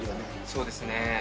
そうですね。